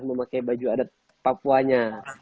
memakai baju adat papuanya